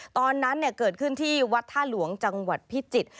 ตอนนั้นเกิดขึ้นที่วัดท่าหลวงจังหวัดพิจิตร